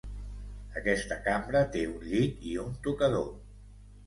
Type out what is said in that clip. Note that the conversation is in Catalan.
Aquesta cambra té un llit i un tocador.